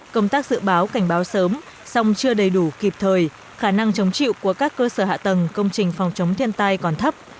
công tác dự báo cảnh báo sớm song chưa đầy đủ kịp thời khả năng chống chịu của các cơ sở hạ tầng công trình phòng chống thiên tai còn thấp